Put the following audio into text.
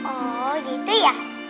oh gitu ya